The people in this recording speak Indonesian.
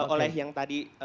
oleh yang tadi